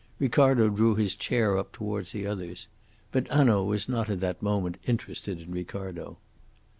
Ricardo drew his chair up towards the others. But Hanaud was not at that moment interested in Ricardo.